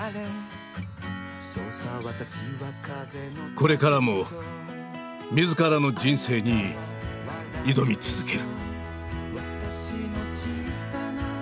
これからも自らの人生に挑み続ける。